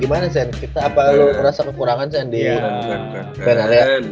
gimana sen kita apa lu ngerasa kekurangan sen di pain area